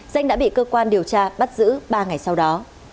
danh đã bị cơ quan điều tra bắt giữ ba ngày sau đó